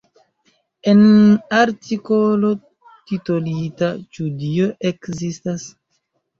En artikolo titolita "Ĉu Dio ekzistas?